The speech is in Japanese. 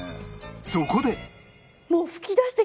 そこで